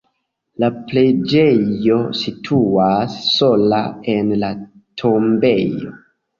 La preĝejo situas sola en la tombejo.